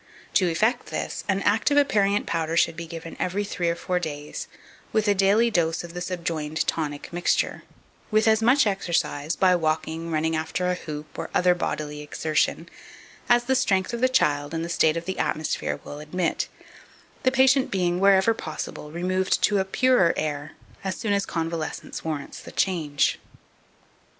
To effect this, an active aperient powder should be given every three or four clays, with a daily dose of the subjoined tonic mixture, with as much exercise, by walking, running after a hoop, or other bodily exertion, as the strength of the child and the state of the atmosphere will admit, the patient being, wherever possible, removed to a purer air as soon as convalescence warrants the change.